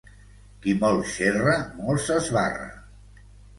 Qui molt xerra, molt s'esbarra.